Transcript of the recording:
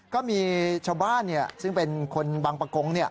ก็มีชาวบ้านซึ่งเป็นคนบางประกง